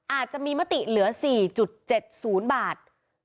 อาจจะมีมติเหลือ๔๗๐บาท